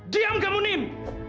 diam kamu nim